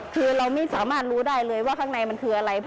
คือเราไม่สามารถรู้ได้เลยว่าข้างในมันคืออะไร